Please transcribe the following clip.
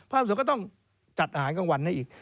ภาพส่วนก็ต้องจัดหารกลางวันให้อีก